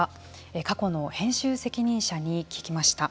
過去の編集責任者に聞きました。